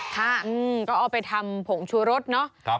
ค่ะก็เอาไปทำผงชูรสเนาะ